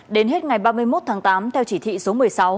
đến hết ngày ba mươi một tháng tám theo chỉ thị số một mươi sáu